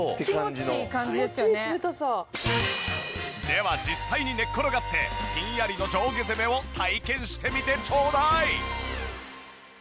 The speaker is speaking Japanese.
では実際に寝っ転がってひんやりの上下攻めを体験してみてちょうだい！